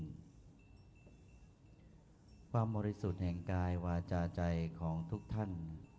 ความบริสุทธิ์แห่งกายวาจาใจของทุกท่าน